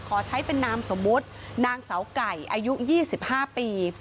ขอใช้เป็นนามสมมุตินางเสาไก่อายุยี่สิบห้าปี